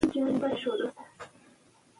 هغه کور چې په کرایه دی، د اولادونو کوډله ده.